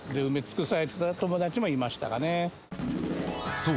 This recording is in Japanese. そう。